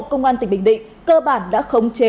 công an tỉnh bình định cơ bản đã khống chế